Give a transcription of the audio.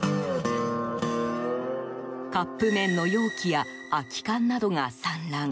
カップ麺の容器や空き缶などが散乱。